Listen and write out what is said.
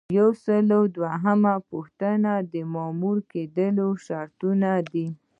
یو سل او دوهمه پوښتنه د مامور کیدو شرطونه دي.